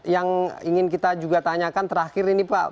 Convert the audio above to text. yang ingin kita juga tanyakan terakhir ini pak